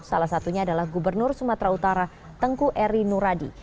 salah satunya adalah gubernur sumatera utara tengku eri nuradi